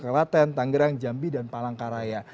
kelaten tanggerang jambi dan palangkaraya